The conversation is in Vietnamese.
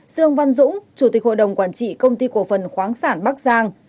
dương văn dũng chủ tịch hội đồng quản trị công ty cổ phần khoáng sản bắc giang